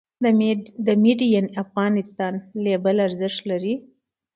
د "Made in Afghanistan" لیبل ارزښت لري؟